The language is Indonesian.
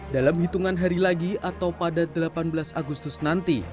dalam hitungan hari lagi atau pada delapan belas agustus nanti